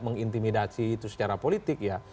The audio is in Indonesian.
mengintimidasi itu secara politik ya